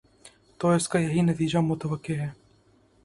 تو اس کا یہی نتیجہ متوقع ہے۔